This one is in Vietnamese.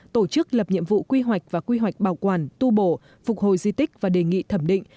tổ chức lập nhiệm vụ quy hoạch và quy hoạch bảo quản tu bổ phục hồi di tích và đề nghị thẩm định